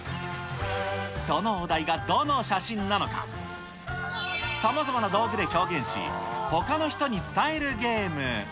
そのお題がどの写真なのか、さまざまな道具で表現し、ほかの人に伝えるゲーム。